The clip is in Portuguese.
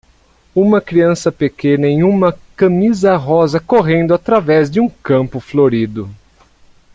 uma criança pequena em uma camisa rosa correndo através de um campo florido.